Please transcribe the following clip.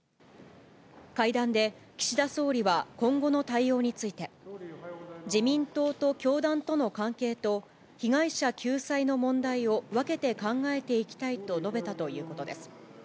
会談で岸田総理は今後の対応について、自民党と教団との関係と、被害者救済の問題を分けて考えていきたいと述べたということです。